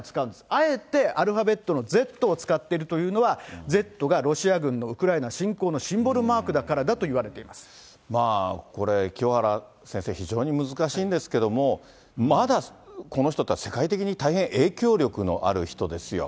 あえてアルファベットのＺを使っているというのは、Ｚがロシア軍のウクライナ侵攻のシンボルマークだからだといわれまあ、これ、清原先生、非常に難しいんですけども、まだこの人は世界的に影響力のある人ですよ。